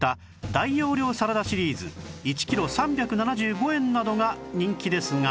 大容量サラダシリーズ１キロ３７５円などが人気ですが